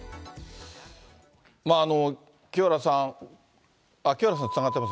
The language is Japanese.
まあ、清原さん、清原さんにつながってます？